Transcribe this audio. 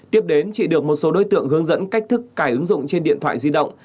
tiếp đến chị được một số đối tượng hướng dẫn cách thức cài ứng dụng trên điện thoại di động